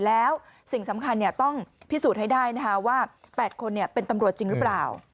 แล้วสิ่งสำคัญต้องพิสูจน์ให้ได้นะคะว่า๘คนเป็นตำรวจจริงหรือเปล่า